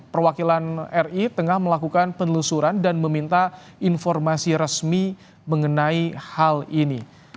perwakilan ri tengah melakukan penelusuran dan meminta informasi resmi mengenai hal ini